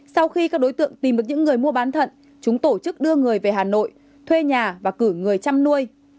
sau khi các đối tượng tìm được những người mua bán thận chúng tổ chức đưa người về hà nội thuê nhà và cử người chăm nuôi